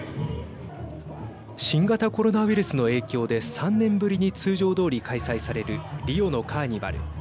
新型コロナウイルスの影響で３年ぶりに通常どおり開催されるリオのカーニバル。